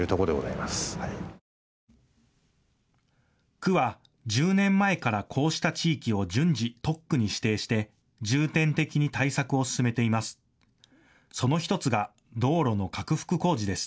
区は１０年前からこうした地域を順次、特区に指定して重点的に対策を進めています。